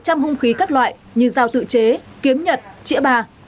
trăm hung khí các loại như giao tự chế kiếm nhật trĩa bà